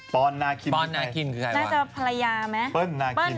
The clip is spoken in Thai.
ปอนนาคินคือใครน่าจะภรรยาไหมเปิ้ลนาคิน